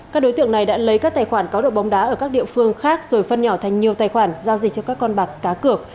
các đối tượng này đã lấy các tài khoản cáo độ bóng đá ở các địa phương khác rồi phân nhỏ thành nhiều tài khoản giao dịch cho các con bạc cá cược